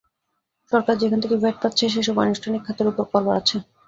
সরকার যেখান থেকে ভ্যাট পাচ্ছে, সেসব আনুষ্ঠানিক খাতের ওপর কর বাড়াচ্ছে।